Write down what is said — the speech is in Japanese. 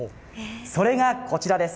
それがこちらです。